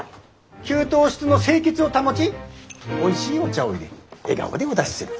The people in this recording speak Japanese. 給湯室の清潔を保ちおいしいお茶をいれ笑顔でお出しする。